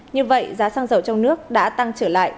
như vậy giá xăng dầu trong nước đã tăng trở lại